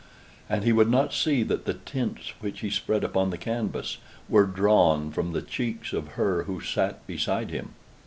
And he would not see that the tints which he spread upon the canvas were drawn from the cheeks of her who sate beside him.